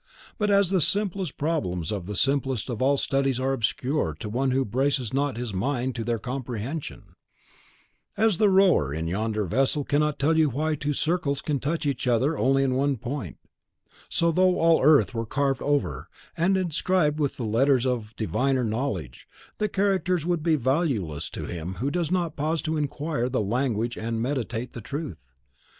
But as the simplest problems in the simplest of all studies are obscure to one who braces not his mind to their comprehension; as the rower in yonder vessel cannot tell you why two circles can touch each other only in one point, so though all earth were carved over and inscribed with the letters of diviner knowledge, the characters would be valueless to him who does not pause to inquire the language and meditate the truth.